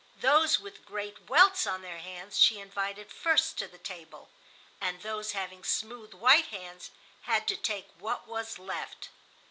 Those with great welts on their hands she invited first to the table, and those having smooth white hands had to take what was left.